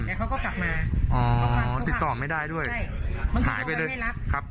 แล้วเขาก็กลับมาอ๋อติดต่อไม่ได้ด้วยใช่หายไปเลยมันคือโทรไปไม่รับครับ